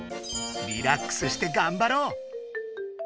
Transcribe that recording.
リラックスしてがんばろう！